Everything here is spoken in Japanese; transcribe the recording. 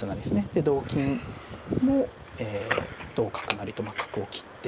で同金も同角成と角を切って。